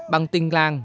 bằng tình lang